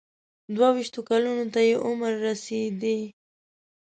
دوه ویشتو کلونو ته یې عمر رسېدی.